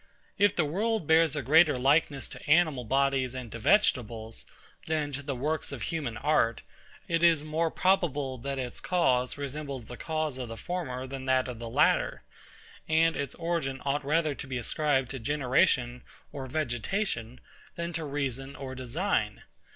If the universe bears a greater likeness to animal bodies and to vegetables, than to the works of human art, it is more probable that its cause resembles the cause of the former than that of the latter, and its origin ought rather to be ascribed to generation or vegetation, than to reason or design.